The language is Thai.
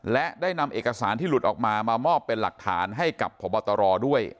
และได้นำเอกสารที่หลุดออกมามามอบเป็นหลักฐานให้กับพบตรด้วย